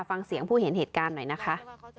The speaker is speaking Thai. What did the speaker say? ฟังเสียงผู้เห็นเหตุการณ์หน่อยนะคะ